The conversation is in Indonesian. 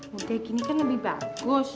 mudah gini kan lebih bagus